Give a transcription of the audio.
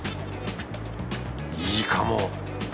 いいかも。